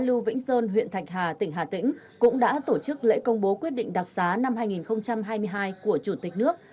trại giam xu vĩnh sơn huyện thạch hà tỉnh hà tĩnh cũng đã tổ chức lễ công bố quyết định đặc giá năm hai nghìn hai mươi hai của chủ tịch nước